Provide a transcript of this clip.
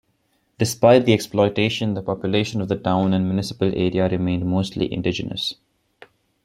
Despite the exploitation, the population of the town and municipal area remained mostly indigenous.